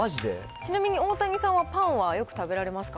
ちなみに大谷さんは、パンはよく食べられますか？